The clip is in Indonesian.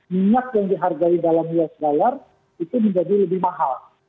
minyak yang dihargai dalam us dollar itu menjadi lebih mahal